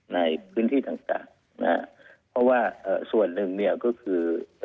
ในพื้นที่ต่างต่างนะฮะเพราะว่าส่วนหนึ่งเนี่ยก็คือ